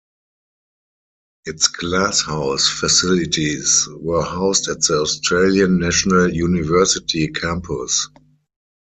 Its glasshouse facilities were housed at the Australian National University campus.